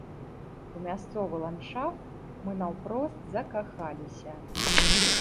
У мясцовы ландшафт мы наўпрост закахаліся.